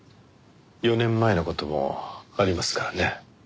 ４年前の事もありますからね。